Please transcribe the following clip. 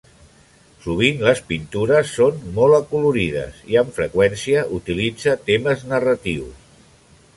Sovint les pintures són molt acolorides i amb freqüència utilitza temes narratius.